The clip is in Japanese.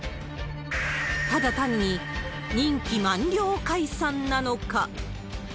ただ単に任期満了解散なのか。